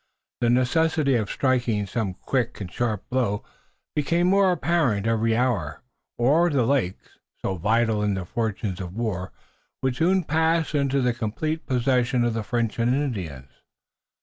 The necessity of striking some quick and sharp blow became more apparent every hour, or the lakes, so vital in the fortunes of the war, would soon pass into the complete possession of the French and Indians.